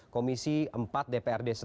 komisi empat dprd setempal